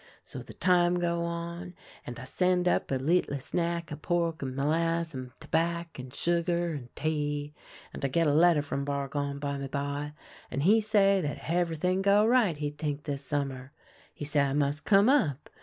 So, the time go on, and I send up a leetla snack of pork and molass' and tabac, and sugar and tea, and I get a letter from Bargon bime by, and he say that heverything go right, he t'ink, this summer. He say I must come up.